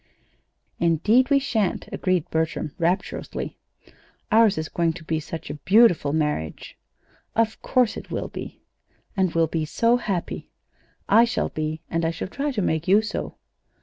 "Indeed we sha'n't," agreed Bertram, rapturously. "Ours is going to be such a beautiful marriage!" "Of course it will be." "And we'll be so happy!" "I shall be, and I shall try to make you so."